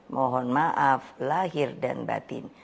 mohon maaf lahir dan batin